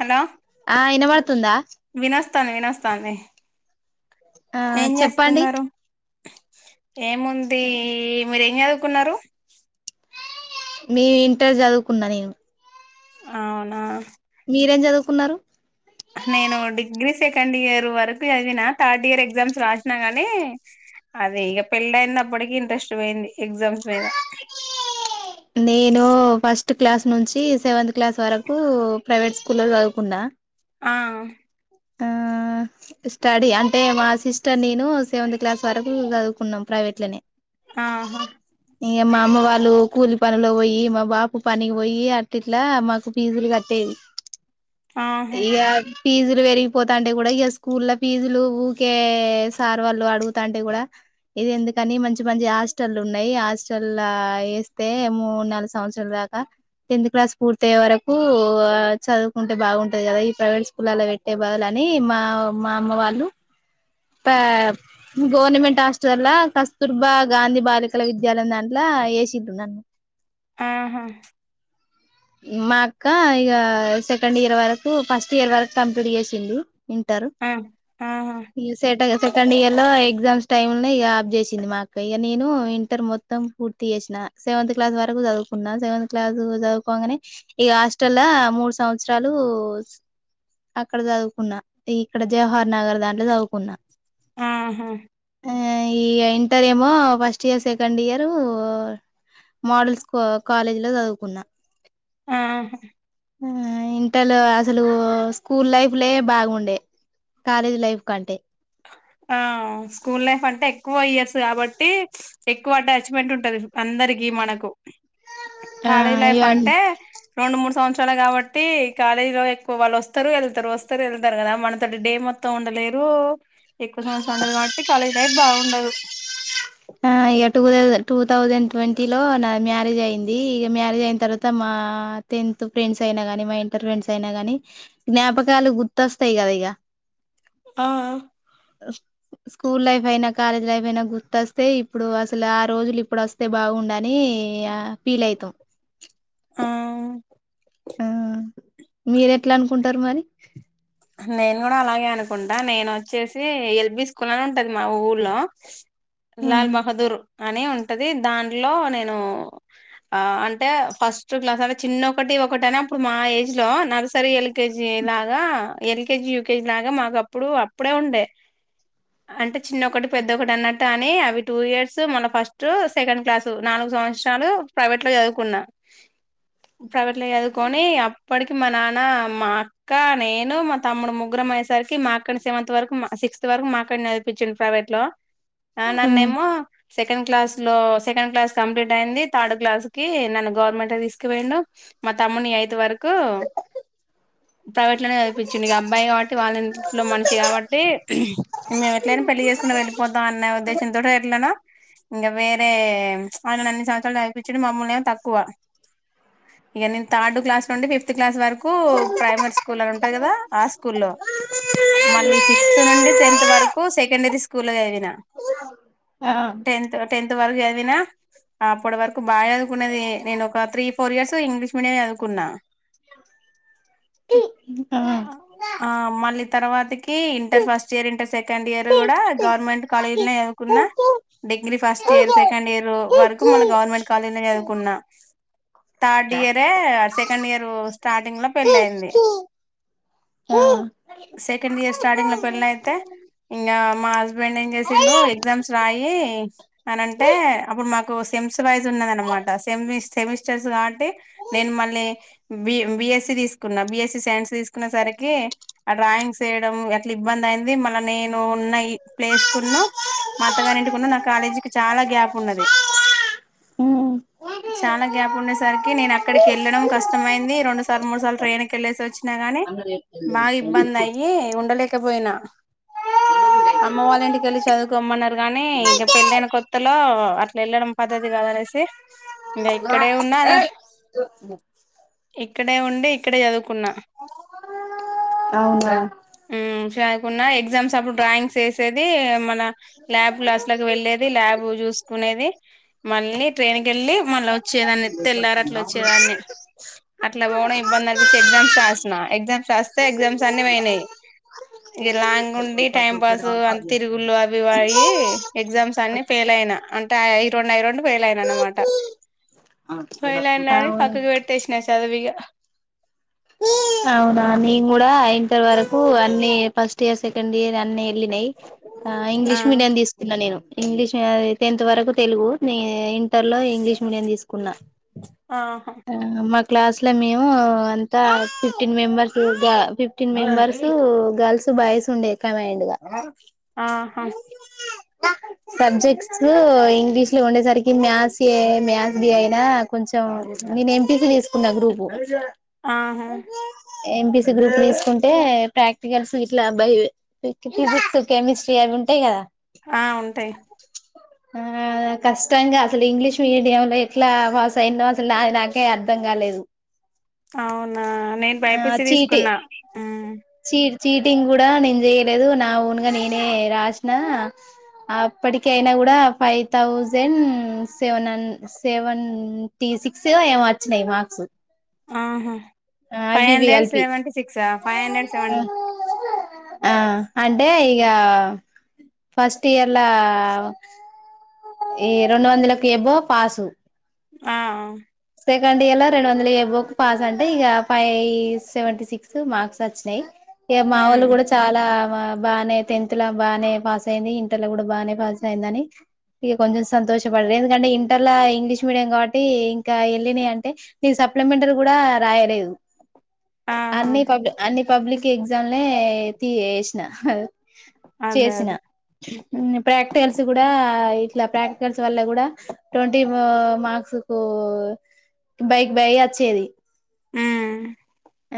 Hello ఆ ఇన పడుతుందా త్త నెనోస్తా అని ఆ చెప్పండి ఏముంది మీరు ఏం చదువ్ కున్నరు మీ ఇంటర్ చదువుకున్నా నేను అవునా మీరేం చదువుకున్నరు నేను డిగ్రీ సెకండ్ ఇయర్ వరకు చదివిన థర్డ్ ఇయర్ ఎగ్జామ్స్ రాసిన కానీ అది ఇక పెళ్ళ అయింది. అప్పటికి ఇంట్రెస్ట్ పోయింది ఎగ్జామ్స్ మీద. నేను ఫస్ట్ క్లాస్ నుంచి సెవెంత్ క్లాస్ వరకు ప్రైవేట్ స్కూల్లో చదువుకున్నా. ఆ ఆ స్టడీ అంటే మా సిస్టర్ నేను సెవెంత్ క్లాస్ వరకు చదువుకున్నం ప్రవేట్లనే. ఆహా ఇ మా అమ్మ వాళ్ళు కూలి పనులో పోయి మా బాపు పనికినికి పోయి అటి ఇట్లా మాకు ఫీజులు కట్టేది. ఆహా ఇకా ఫీజు పెరిగిపోతాంటే కూడా ఇక స్కూల్ ఫీజులు ఊకే సార్ వాళ్ళు అడుగుతాంటే కూడా ఇది ఎందుకని మంచి మంచి హాస్టల్ ఉన్నాయి. హాస్టల్ వేస్తే మూడు నాలుగు సంవత్సరాల దాకా టెన్త్ క్లాస్ పూర్తయ్యే వరకు చదువుకుంటే బాగుంటది. కదా ఈ ప్రైవేట్ స్కూల్ అలా పెట్ ఎవ్వలని మా మా అమ్మ వాళ్ళు గవర్నమెంట్ హాస్టల్లా కస్తూర్బా గాంధీ బాలికల విద్యాలయం దాంట్లో వేసింట్రు నన్ను ఆహా మా అక్క ఇగ సెకండ్ ఇయర్ వరకు, ఫస్ట్ ఇయర్ వరకు కంప్లీట్ చేసింది. వింటారు ఆ ఆహా ఇ సేటాగ కండ్ ఇయర్ లో ఎగ్జామ్స్ టైములో ఇగ ఆఫ్ చేశింది మా అక్క. ఇగ నేను ఇంటర్ మొత్తం పూర్తి చేసిన, సెవెంత్ క్లాస్ వరకు చదువుకున్న సెవెంత్ క్లాస్ చదువు పోగానే ఈ హాస్టల్ మూడు సంవత్సరాలు అక్కడ చదువుకున్నా ఇక్కడ జవహార్ నగర్ దాంట్లో చదువుకున్న ఆహా ఈ ఇంటర్ ఏమో first year, second year models college లో చదువుకున్న. ఆహా ఆ ఇంటర్లో అసలు స్కూల్ లైఫ్ లే బాగుండే కాలేజ్ లైఫ్ కంటే ఆ స్కూల్ లైఫ్ అంటే ఎక్కువ ఇయర్స్ కాబట్టి ఎక్కువ అటాచ్మెంట్ ఉంటది. అందరికి మనకు. ఆ కాలేజ్ ఇగ లైఫ్ అన్ అంటే రెండు మూడు సంవత్సరాలే కాబట్టీ కాలేజీ లో ఎక్కువ వాళ్ళు వస్తరు వెళ్తరు, వస్తరు వెళ్తరు కదా మనతోటి డే మొత్తం ఉండలేరు. ఎక్కువ సంవత్సరం ఉండదు. కాబట్టి కాలేజ్ లైఫ్ బాగుండదు. ఆ ఇగ two thousand two thousand twenty లో నాది మ్యారేజ్ అయింది. ఇక మ్యారేజ్ అయిన తర్వాత మా టెన్త్ ఫ్రెండ్స్ అయిన గని మా ఇంటర్ ఫ్రెండ్స్ అయిన గని జ్ఞాపకాలు గుర్తొస్తయి కద ఇగ. ఆ స్కూల్ లైఫ్ అయినా, కాలేజ్ లైఫ్ అయినా గుర్త త్తే ఇప్పుడు అసలు ఆ రోజులు ఇప్పుడు అస్తే బాగుండని ఆ ఫీల్ అయితం ఆ మీరెట్లనుకుంటరు మరి నేను కూడా అలాగే అనుకుంటా, నేను ఒచ్చేసి ఎల్బి స్కూల్ అని ఉంటది మా ఊర్లో ఆ లల్ బహదూర్ అని ఉంటది దాంట్లో నేను ఆ అంటే ఫస్ట్ క్లాసు అంటే చిన్న ఒకటి ఒకటి అనే అప్పుడు మా ఏజ్ లో నర్సరీ ఎల్ కేజీలాగా ఎల్కేజీ యూకేజీ లాగ మాకు అప్పుడూ అప్పుడే ఉండే అంటె చిన్నొకటి పెద్దొకటి అన్నట్ టాని అవి టూ ఇయర్స్ మన ఫస్ట్ సెకండ్ క్లాసు నాలుగు సంవత్సరాలు ప్రవేట్లో చదువుకున్న ప్రవేట్ల చదువుకొని అప్పటికి మా నాన్న మా అక్క నేను మ తమ్ముడు ముగ్గురం అయేసరికి మా అక్కడిని సెవెంత్ వరకు సిక్స్త్ వరకు మాక్కడిని నదిపించిండు ప్రైవేట్ లో ఆ నన్నేమో సెకండ్ క్లాస్ లో సెకండ్ క్లాస్ కంప్లీట్ అయింది థర్డ్ క్లాస్ కి నన్ను గవర్నమెంట్ తీసుకువెండు మా తమ్మునియి ఇది వరకు తవాట్లనే కాబట్టి మేము ఎట్లైనా పెళ్లి చేసుకుని వెళ్ళిపోతాం ఇకా వేరే అలాను అన్ని సేవన్తరం రేయి తక్కువ ఇక నేను థర్డ్ క్లాస్ నుండి ఫిఫ్త్ క్లాస్ వరకు ప్రైమరీ స్కూల్ అంట కదా ఆ స్కూల్ లో మళ్ళ సిక్స్త్ నుండి టెన్త్ వరకు సెకండరీ స్కూల్ చదివిన టె టెన్త్ వరకు చదివిన ఆ అప్పుడువరకు బాగా అదుకున్నది నేను ఒక three four years English medium చదువుకున్నాను క ఆ మళ తర్వాత inter first year inter second year కూడా గవర్నమెంట్ కాలేజీ లోదుకున్న గ degree first year second year వరకు మళ్ళ గవర్నమెంట్ కాలేజ్ లో చదువుకున్నాం థర్డ్ ఆ ఇయరే సెకండ్ ఇయర్ స్టార్టింగ్ లో పెళ్ళి అయింది సెకండ్ ఇయర్ స్టార్టింగ్ లో పెిల్ల అయితే ఇంకా మా హస్బెండ్ ఏం చేసిండు ఎగ్జామ్స్ రాయి అనింటే అప్పుడు మాకుమ్ వైజ్ ఉన్నదనమాట సె సెమిస్టర్స్ కాంటే నేను మళ్ళీ బి బి ఎ స్సీ తీసుకున్నా బిఎస్స సన్సస్ చెకునే సరికి ఆ డ్రాయింగ్స్ చేయడం ఎట్లా ఇబ్బంది అయింది మళ్ళ నేను ఉన్నయి ప్లేస్ కున్న అత్తగానింంటికున్న నా కాలేజీకి చాలా గ్యాప్ ఉన్నది చాలా గ్యాప్ ఉండేసరికి నేను అక్కడికి వెళ్ళడం కష్టమైంది రెండు సార్లు మూడు సార్లు ట్రైన్ క వెళ్ళేసరి గాని బాగా ఇబ్బంది అయి ఉండలేకపోయినా అమ్మ వాళ్ళ ఇంటికి వెళ్లి చదువుకోమ్మన్నారు కానీ ఇంక పెళ్ళైన కొత్తలో వెళ్ళడం పద్ధతి కాద అనేసి ఇంకా ఇక్కడే ఉన్నా ఇక్కడే ఉండడి ఇక్కడే చదువుకున్నా అహ్ శా ఉన్నాయి. ఎగ్జామ్స్ అప్పుడు డ్రాయింగ్స్ ఎసేది మల్ ల్ల ల్యాబ్ క్లాస్ లకి వెళ్ళేది. ల్యాబ్ చూసుకునేది. మళ్ళీ ట్రైన్ కేళ్ళి మళ్ళ వ చ్చేదాన్ని తెల్లార అట్లా వచ్చేదాన్ని. అట్లాపోవడం ఇబ్బంది అనిపించి ఎగ్జామ్స్ రాస్ ఎగ్జామ్స్ రాస్తే. ఎగ్జామ్స్ అన్ని పోయినై ఈ లాంగ్ ఉండి టైం పాస్ అం తిరుగులు అవి ఇవి అయి. ఎగ్జామ్స్ అన్ని ఫెయిల్ అయినా. అంటే అయి రెండు అయి రెండు ఫెయిల్ అయినా అనమాట. ఫెయిల్ అయినై అవును పక్కకు పెట్టేశ్న చదివిగా అవునా నేను కూడా అయి ఇంత వరకు అన్ని ఫస్ట్ ఇయర్, సెకండ్ ఇయర్ అన్నీ వెళ్ళినాయి. ఆహ్ ఆ ఇంగ్లీష్ మీడియం తీసుకున్నా నేను. ఇంగ్లీషె టెన్త్ వరకు తెలుగు నే నేన్ ఇంటర్ లో ఇంగ్లీష్ మీడియం తీసుకున్నా. ఆహా ఆహ్ మ క్లాస్ లో మేము. అంతా ఫిఫ్టీన్ మెంబర్స్ గా ఫిఫ్టీన్ మెంబర్స్ గర్ల్స్, బాయ్స్ ఉండేద్ కమైండ్ గా ఆహ్ హా సబ్జెక్ట్స్ ఇంగ్లీష్ లో ఉండేసరికి మ్యాథ్స్ ఏ మ్యాథ్స్ బి అయినా కొంచెం. నేను ఎం. పీ. సి. తీసుకున్నా గ్రూపు ఆహ్ హా ఎం. పీ. సి. గ్రూప్ తీసుకుంటే. ప్రాక్టికల్స్ ఇట్లా భై ఫిజిక్స్, కెమిస్ట్రీ అవి ఉంటాయి కదా. ఆహ్ ఉంటాయి. ఆహ్ కష్టంగా అసలు ఇంగ్లీష్ మీడియం లో ఎట్లా పాస్ అయ్యిన్నో. అసలు నాది నాకే అర్థం కాలేదు. అవునా నేను బై. పీ. ఆ సి. చీటి తీసుకున్నా. ఆహ్ చీ చీటింగ్ కూడా నేను చేయలేదు. నా ఓన్గా నేనే రాసిన అప్పటి కయినా కూడా. ఫైవ్ థౌజండ్ సెవెన్ హ సెవెన్ టి సిక్స్ ఏమో వచ్చినాయి. మార్క్స్ ఆహ్ హా ఫై అవి ఇవి హండ్రెడ్ కలిపి సెవెంటీ సిక్సా, ఫై హండ్రెడ్ సెవెన్ ఆహ్ అంటే ఇగ ఫస్ట్ ఇయర్ల ఈ రెండు వందలకు ఎబో పాసు ఆ ఆ సెకండ్ ఇయర్ లో రెండు వందల ఏబో పాస్ అంటే. ఇగ ఫైవ్ సెవెంటీ సిక్స్ మార్క్స్ వచ్చినాయి. ఇగ మావోలు ఉమ్ కూడా చాలా బాగానే టెన్త్ లో బాగానే పాస్ అయింది. ఇంటర్ లో కూడా బాగానే పాస్ అయిందని ఇగ కొంచెం సంతోషపడారు. ఎందుకంటే ఇంటర్ల ఇంగ్లీష్ మీడియం కాబట్టి. ఇంకా ఎళ్ళినై అంటే నేన్ సప్లమెంటరీ కూడా రాయలేదు. ఆహా అన్ని పబ్ అన్ని పబ్లిక్ ఎగ్స్ జాలే తీ వేసిన అదే చేసిన అదే ప్రాక్టికల్స్ కూడా ఇలా ప్రాక్టికల్స్ వల్ల కూడా ట్వంటీ మార్క్స్ కు బైక్ బయ అచ్చేది ఆ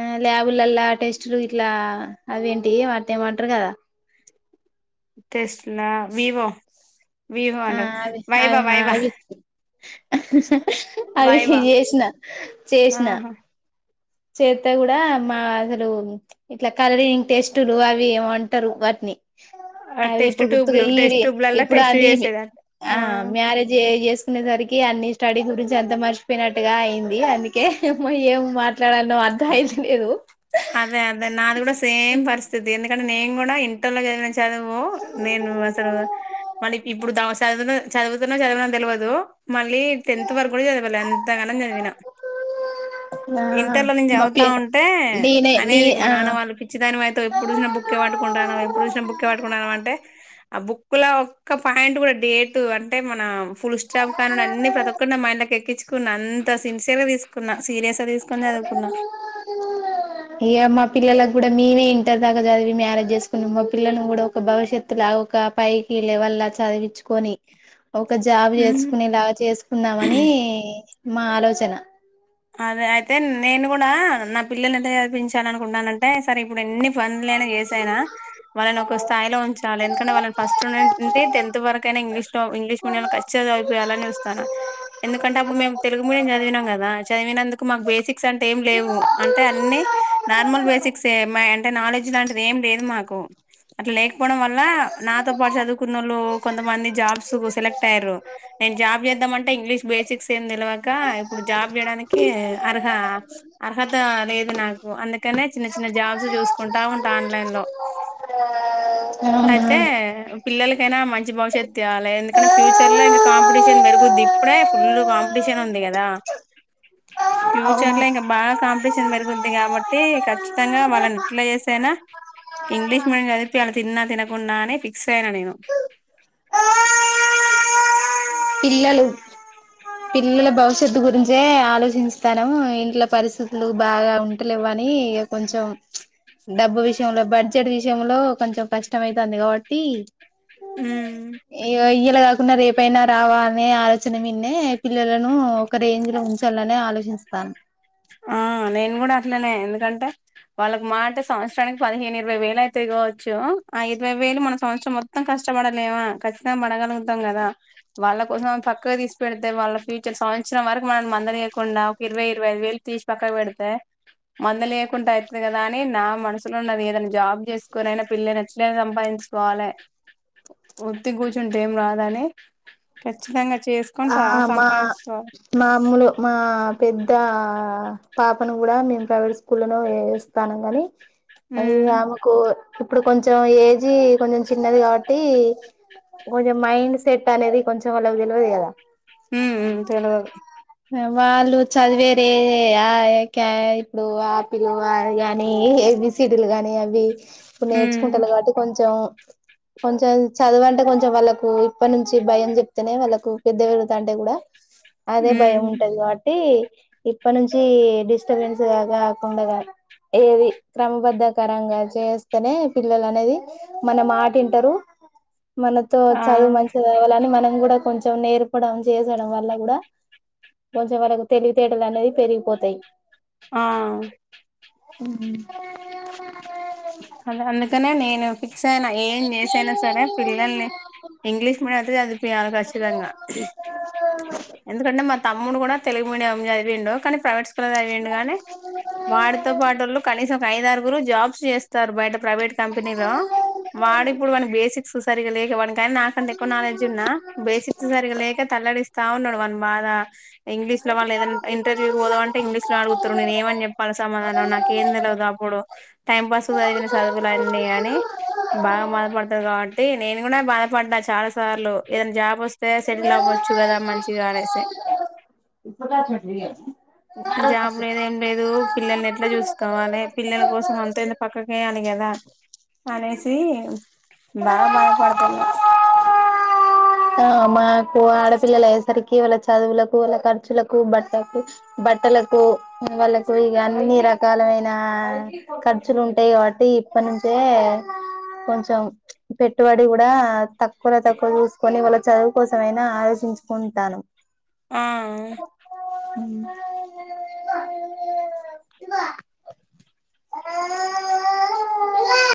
ఆ ల్యాబ్లల్లా టెస్టులు ఇట్లా అవేంటియ్ అటిని ఏమో అంటర్ గదా తెస్ట్ల వివో వివో అంటవ్ వైబా వైబా హ్... అ అహ్ అవి చేసిన చేసిన ఆహా చేస్త కూడా మా అసలు ఇట్లా కలరింగ్ టెస్టులు అవి ఏ అంటారు వాటిని ఆ అది టెస్ట్ ఇప్పుడు గుర్తుగా ట్యూబ్లు టెస్ట్ ఇది ట్యూబ్లలా ఇప్పుడు టెస్ట్ అది చేసేదట ఆ మ్యారేజ్ చే ఉండే సరికి అన్ని స్టడీ గురించి అంత మర్చిపోయినట్టుగా అయింది అందుకే ఏం ఇహ్ ఏమో త్ నాకంత అర్థమైతలేదు ఇహ్ పరిితి ఎందుకంటే నేను కూడా ఇంటర్ లో చదివిన చదువు నేను అసలు మళ్ళీ ఇప్పుడు చదువు చదువుతున్నా చదివున తెలియదు మళ్ళీ టెన్త్ వరకు గూడా చదవలే అంతాగానమ్ చదివినా ఆ ఇంటర్ చదువుతా మప్పి ఉంటే నేనే నీ అనేది మా ఆ నాన్న వాళ్ళు పిచ్చదానివైతావ్ ఎప్పుడు చూసిన బుక్కే పట్టుకుంటానవ్ ఎప్పుడు చూసిన బుక్కే పట్టుకుంటనవ్ ఆ మన అంటే ఆ బుక్ లో ఒక్క పాయింట్ కూడా డేటు అంటే మనం ఫుల్ స్టాఫ కా అన్ని ప్రతి ఒక్కటి నా మ ఇంలోకి ఎక్కించ కున్న ఆంతా సిన్సియర్గా తీసుకున్న సీరియస్ గా తీసుక్ ఏ మా పిల్లల గ్ కూడా మేమే ఇంటర్ దాకా చదివి మ్యారేజ్ చేసుకుని మా పిల్లలను కూడా ఒక భవిష్యత్తు ఒక పైకి లెవల్ చదివించుకొని ఒక జాబ్ చేసుకునేలా చేసుకుందామని మా ఆలోసన అదే అయితే నేను కూడా నా పిల్లల్ని ఎంత చదివించాలి అనుకుంటన్నానంటే సరే ఇప్పుడు ఎన్ని పనులైనా చేసైనా వాళ్ళని ఒక స్థాయిలో ఉంచాలి ఎందుకంటే వాళ్ళని ఫస్ట్ టెన్త్ వరకయినా ఇంగ్లీష్లో ఇంగ్లీష్ మీడియంంలో ఖచ్చిత చవియాలని చూస్తాను ఎందుకంటే అప్పుడు మేము తెలుగు మీడియం చదివినాం కదా చదివినందుకు మాకు బేసికసాన్టెయ్ ఏంలేవు అంటే అన్నీ నార్మల్ బేసిక్స్యే అంటే నాలెడ్జ్ లాంటిది ఏంలేదు మాకు అట్లలేక్ పోవడం వల్ల నాతో పాటు చదువుకున్నళ కొంతమంది జాబ్ సెలెక్ట్ అయ్యారు నే జాబ్ చేద్దామంటే ఇంగ్లీష్ బేసిక్స్ ఏ తెలిక ఇప్పుడు జాబ్ వే డానికి అర్హ స్ అర్హత లేదు నాకు అన్ చిన్న చిన్న జాబ్స్ చూస్కుంటా ఉంటా ఆన్లైన్ లో అయితే అవునా పిల్లలక్ ఇదేనా మంచి భవిష్యత్తే అల్ ఎందుకంటే ఫ్యూచర్ లో ఇంకా కాంపిటీషన్ పెరుగుద్ది ఇప్పుడే ఫుల్ కాంపిటీషన్ ఉంది గదా ఫ్యూచర్ ఇంకా బాగా కాంపి పెరుగుంది కాబట్టి ఖచ్చితంగా వాళ్ళని ఇట్లా చేసేనా ఇంగ్లీష్ మీడియం చదిపి వాళ్ళ తిన్నా తినకున్నా అని ఫిక్స్ అయినా నేను పిల్లలు పిల్లల భవిష్యత్తు గురించే ఆలోచిస్తాను ఇంట్ల పరిస్థితులు బాగా ఉండలేవ అని ఇక కొంచెం డబ్బు విషయంలో బడ్జెట్ విషయంలో కొంచెం కష్టం అవుతుంది కాబట్టి ఉమ్ ఏ వేయ్యక్ కాకున్నారు ఏ పైనా రావా అనే ఆలోచన వినేే పిల్లలను ఒక రేం్ లో ఉంచాలని ఆలోచిస్త అ ఆ నేను కూడా అట్లనే ఎందుకంటే వాళ్ళకి మాట సంవత్సరానికి పదిహేను ఇరవై వెళ్లయితాయ్ గావచ్చు ఆ ఇరవై వేలు మన సంవత్సరం మొత్తం కష్టపడలేమా ఖచ్చితంగా పడగలుగుతాం కదా వాళ్ళ కోసం పక్కక్తిసిపెడితే వాళ్ళ ఫ్యూచర్ సంవత్సరం వరకు మనం మందలియకుండా ఒక ఇరవై ఇరవైఐదు వేలు తీస్ పక్కక్ పెడ్తేయె మంది లేకుంటాయితది గదాని నా మనుసులోనున్నది ఏదైనా జాబ్ చేసుకొంనైనా పిల్లని ఎట్లేనా సంపాదించుకోవాలి వత్తిగుసుంటేయ్ ఏం రాదని ఖచ్చితంగా చేసుకొని ఆ సా మా సంపాదించుకోవాలి మా అమ్మలు మా పెద్ద ఆ పాపను కూడా మేము ప్రైవేట్ స్కూల్లో వ ఇేస్తానుం గాని ఐ ఉమ్ ఆమకు ఇప్పుడు కొంచెం ఏజీ కొంచెం చిన్నది కాబట్టి కొంచెం మైండ్ సెట్ అనేది కొంచెం వాళ్ళకి తెల్వద్ గదా ఉ తెలవా వాళ్ళు చదివేరే ఇప్పుడు ఆపిల్ గాని ఇవి సడలు గాని అవి ఇప్పుడు ఉమ్ నేర్చుకుంటనాగాబట్టి కొంచెం కొంచెం చదవంటే కొంచెం వాళ్ళలకు ఇప్పటి నుంచి భయం జెప్తేనే వాళ్ళకు పెద్ద వెళ్తా అంటే గూడా అదే భయం ఉమ్ ఉంటది గా కబ్ ఇప్పటి నుంచి డిస్టబెన్స్ గా కాకుండా ఏది క్రమబద్ధకరంగా చేస్తేనే పిల్లలు అనేది మనం మాటింటారు మనతో చదువు ఆ మంచిదివాలని మనం కూడా కొెం నేర్పడం చేసడం వల్ల కూడా కొంచెం వాళ్ళకు తెలివితేటలు అనేది పెరిగిపోతాయి ఆ.. ఆ ఉమ్ అదే అందుకనే నేను ఫిక్స్ అయినా ఏం చేసైనా సరే పిల్లల్ని ఇంగ్లీష్ మీడియం అయితే చదిపిాలి ఖచ్చితంగా ఎందుకంటే మ తమ్ముడు కూడా తెలుగు మీడియం చదివిండు కానీ ప్రైవేట్ స్కూల్లో చదివిండు కానీ వాడితో పాటోళ్ళు కనీసం ఒక ఐదార్గుర్ ఇ గురు జబ్ చేస్త సర్ బైండప్ ప్రైవేట్ కంపెనీలో వాడి మ్ ఇప్పుడు వానకి బేసిక్స్ సరిగా లేక వాని కానీ నాకుంత ఎక్కువ నాలెడ్జ్ ఉన్నా బేసిక్స్ సరిగా లేక తలడిస్త్ చా ఉన్నాడు వాన్ బాధ ఇంగ్లీష్ లో వాళ్ళ ఏద ఇంటర్వ్యూ పోదా అంటే ఇంగ్లీష్ లో అడుగుతుారు నేను ఏమని చెప్పాలి సమాధానం నాకు ఏం తెలదు అప్పుడు టైం పాస్ చదివిన చదువులన్నీ అని బాగా బదపడుతారు కాబట్టి నేను కూడా బాధపడినా చాలా సార్లు ఏదైనా జాబ్ వస్తే సెటిల్ అవ్వచ్చు కదా మంచి అనేేసి చ అ లేదు ఏం లేదు [unintelligible] పిల్లల్ని ఎట్లా చూసుకోవాలి పిల్లల కోసం అంతెందుక్ పక్కకే అడిగేదాన్ అనేసి బాగా బాధపడుతున్నాం ఆ మాకు ఆడపిల్లయియేసరికి వాళ్ళ చదువులకు వాళ్ళ ఖర్చులకు బట్టలకు బట్టలకు వాళ్ళలకు ఇ అన్ని రకాలమైన ఖర్చులు ఉంటాయి కాబట్టి ఇప్పటి నుంచే కొంచెం పెట్టుబడి కూడా తక్కువర తక్కువ వాళ చదువు కోసంమైనా ఆలోచించుకుంటాను ఆ [inaudible] [inaudible]